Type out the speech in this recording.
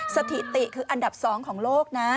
สถิติคืออันดับ๒ของโลกนะ